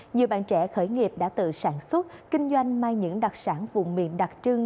nhiều bạn trẻ khởi nghiệp đã tự sản xuất kinh doanh mang những đặc sản vùng miền đặc trưng